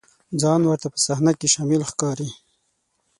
ځان ورته په صحنه کې شامل ښکاري.